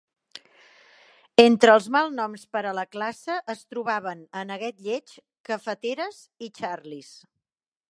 Entre els malnoms per a la classe es trobaven "aneguet lleig", "cafeteres" i "Charlies".